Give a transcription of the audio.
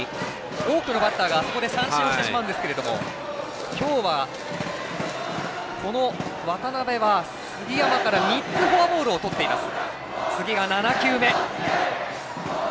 多くのバッターがあそこで三振をしてしまうんですが今日はこの渡邉は杉山から３つフォアボールをとっています。